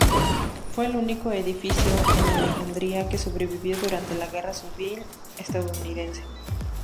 Fue el único edificio en Alejandría que sobrevivió durante la guerra civil estadounidense.